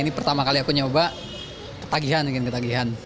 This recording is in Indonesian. ini pertama kali aku nyoba ketagihan mungkin ketagihan